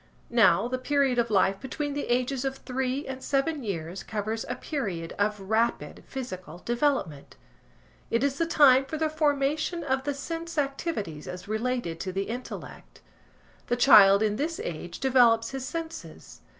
Now, the period of life between the ages of three and seven years covers a period of rapid physical development. It is the time for the formation of the sense activities as related to the intellect. The child in this age develops his senses.